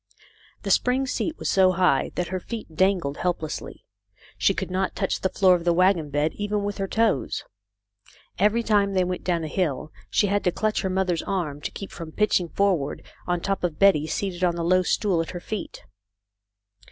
The spring seat was so high that her feet dangled helplessly. She could not touch the floor of the wagon bed even with her toes. Every time they went down a hill she had to clutch her mother's arm to keep from pitching forward on top of Betty, seated on the low stool at her feet.